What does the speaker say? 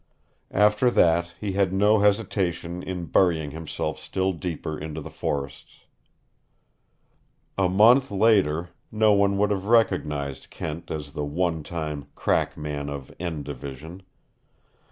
After that he had no hesitation in burying himself still deeper into the forests. A month later no one would have recognized Kent as the one time crack man of N Division.